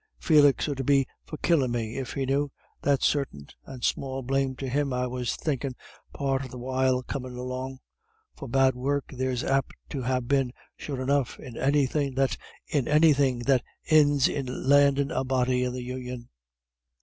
Felix 'ud be for killin' me if he knew, that's sartin, and small blame to him I was thinkin' part of the while comin' along. For bad work there's apt to ha' been, sure enough, in anythin' that inds in landin' a body in the Union."